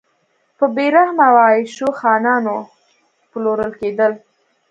په بې رحمه او عیاشو خانانو پلورل کېدل.